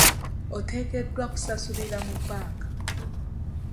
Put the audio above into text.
Oteekeddwa kusasulira mu bbanka.